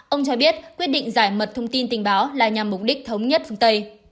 ông cho biết quyết định giải mật thông tin tình báo là nhằm mục đích thống nhất phương tây